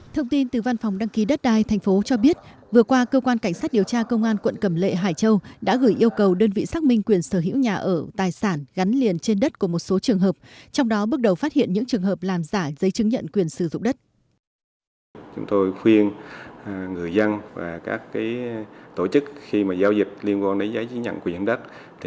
thông tin từ văn phòng đăng ký đất đai thành phố cho biết vừa qua cơ quan cảnh sát điều tra công an quận cầm lệ hải châu đã gửi yêu cầu đơn vị xác minh quyền sở hữu nhà ở tài sản gắn liền trên đất của một số trường hợp trong đó bước đầu phát hiện những trường hợp làm giả giấy chứng nhận quyền sử dụng đất